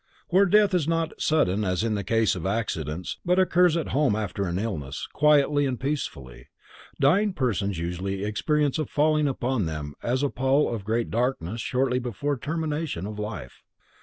Where death is not sudden as in the case of accidents, but occurs at home after an illness, quietly and peacefully, dying persons usually experience a falling upon them as of a pall of great darkness shortly before termination of life.